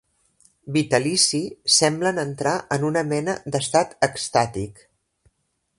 Vitalici semblen entrar en una mena d'estat extàtic.